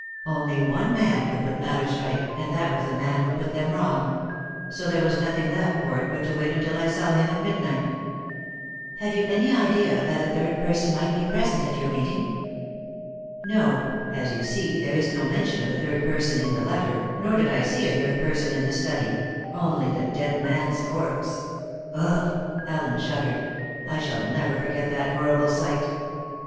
Only one man could put matters right, and that was the man who put them wrong; so there was nothing left for it but to wait until I saw him at midnight." "Had you any idea that a third person might be present at your meeting?" "No. As you see, there is no mention of a third person in the letter, nor did I see a third person in the study only the dead man's corpse." "Ugh!" Allen shuddered "I shall never forget that horrible sight."